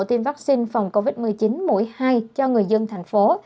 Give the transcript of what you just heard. tiêm vaccine phòng covid một mươi chín mũi hai cho người dân thành phố